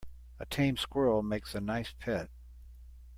A tame squirrel makes a nice pet.